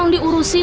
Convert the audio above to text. masuk deh lo